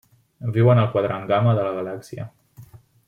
Viuen al Quadrant Gamma de la galàxia.